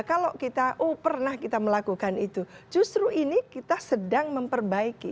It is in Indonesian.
kalau kita oh pernah kita melakukan itu justru ini kita sedang memperbaiki